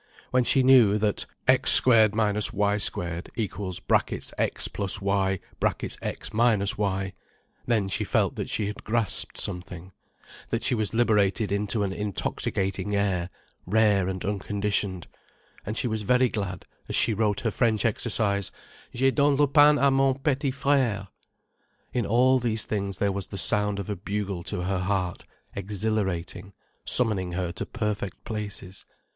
When she knew that: x2 – y2 = (x + y) (x – y) then she felt that she had grasped something, that she was liberated into an intoxicating air, rare and unconditioned. And she was very glad as she wrote her French exercise: "J'ai donné le pain à mon petit frère." In all these things there was the sound of a bugle to her heart, exhilarating, summoning her to perfect places.